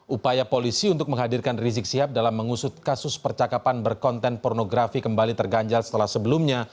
upaya polisi untuk menghadirkan rizik sihab dalam mengusut kasus percakapan berkonten pornografi kembali terganjal setelah sebelumnya